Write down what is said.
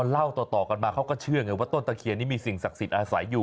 เล่าต่อกันมาเขาก็เชื่อไงว่าต้นตะเคียนนี้มีสิ่งศักดิ์สิทธิ์อาศัยอยู่